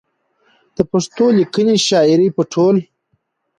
د پښتو ليکنۍ شاعرۍ په ټول